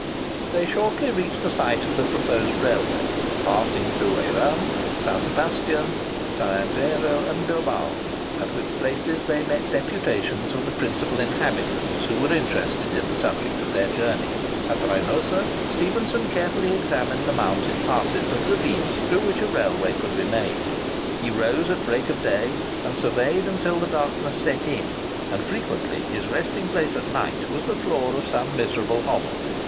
They shortly reached the site of the proposed railway, passing through Irun, St. Sebastian, St. Andero, and Bilbao, at which places they met deputations of the principal inhabitants who were interested in the subject of their journey. At Raynosa Stephenson carefully examined the mountain passes and ravines through which a railway could be made. He rose at break of day, and surveyed until the darkness set in; and frequently his resting place at night was the floor of some miserable hovel.